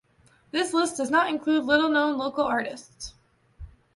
This list does not include little-known local artists.